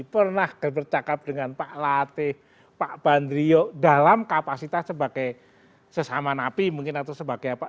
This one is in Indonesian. pernah bercakap dengan pak latih pak bandrio dalam kapasitas sebagai sesama napi mungkin atau sebagai apa